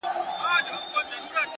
د ساده فکر ځواک لوی بدلون راولي،